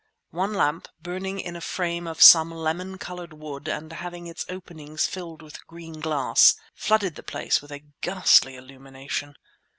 One lamp, burning in a frame of some lemon coloured wood and having its openings filled with green glass, flooded the place with a ghastly illumination.